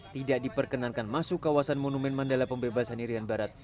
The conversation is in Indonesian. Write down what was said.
tidak diperkenankan masuk kawasan monumen mandala pembebasan irian barat